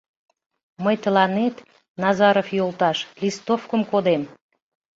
Мый тыланет, Назаров йолташ, листовкым кодем.